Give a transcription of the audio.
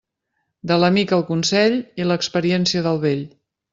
De l'amic el consell i l'experiència del vell.